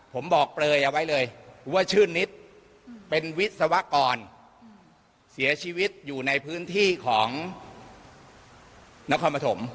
ผมบอกเปลยเอาไว้เลยว่าชื่อนิดเป็นวิศวกรเสียชีวิตอยู่ในพื้นที่ของนครปฐม